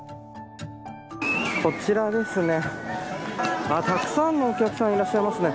こちら、たくさんのお客さんいらっしゃいますね。